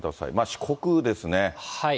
四国ですね。